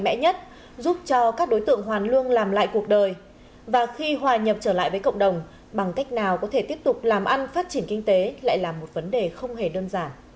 một động lực mạnh mẽ nhất giúp cho các đối tượng hoàn luôn làm lại cuộc đời và khi hòa nhập trở lại với cộng đồng bằng cách nào có thể tiếp tục làm ăn phát triển kinh tế lại là một vấn đề không hề đơn giản